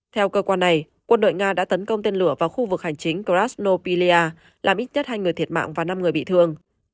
theo cơ quan này quân đội nga đã tấn công tên lửa vào khu vực hành chính casnopilia làm ít nhất hai người thiệt mạng và năm người bị thương